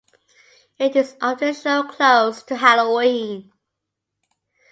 It is often shown close to Halloween.